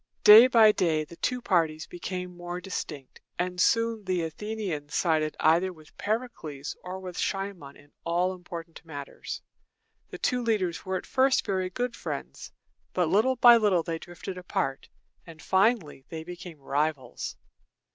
Day by day the two parties became more distinct, and soon the Athenians sided either with Pericles or with Cimon in all important matters. The two leaders were at first very good friends, but little by little they drifted apart, and finally they became rivals.